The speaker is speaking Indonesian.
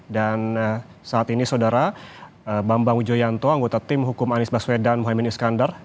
dan saat ini saudara bambang ujoyanto anggota tim hukum anies baswedan muhammad iskandar